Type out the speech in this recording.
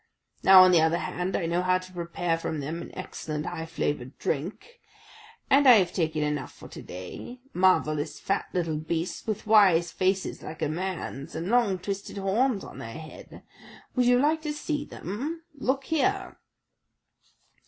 Now, on the other hand, I know how to prepare from them an excellent high flavoured drink; and I have taken enough for to day: marvellous fat little beasts, with wise faces like a man's, and long twisted horns on their heads. Would you like to see them? Look here!"